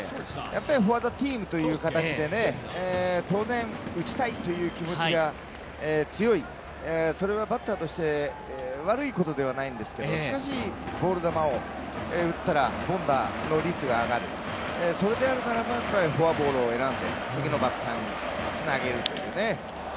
フォー・ザ・チームという形で、当然、打ちたいという気持ちが強いそれはバッターとして悪いことではないんですけどしかし、ボール球を打ったら凡打の率が上がるそれであるならば、フォアボールを選んで、次のバッターにつなげるというね。